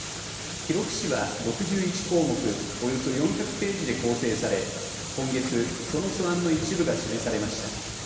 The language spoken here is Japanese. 記録誌は６１項目およそ４００ページで構成され今月その素案の一部が示されました。